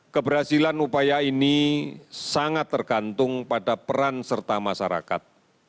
keberhasilan upaya ini sangat tergantung pada peran serta masyarakat